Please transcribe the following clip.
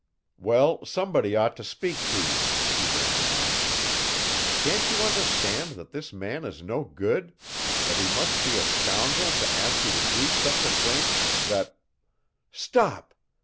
"Well, somebody ought to speak to you," he ran on. "Can't you understand that this man is no good that he must be a scoundrel to ask you to do such a thing, that" "Stop!